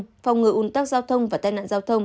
phòng ngừa ủn tắc giao thông và tai nạn giao thông